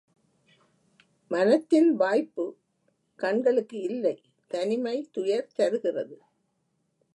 மனத்தின் வாய்ப்புக் கண்களுக்கு இல்லை தனிமை துயர் தருகிறது.